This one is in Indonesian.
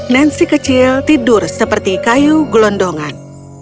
nancy kecil tidur seperti kayu gelondongan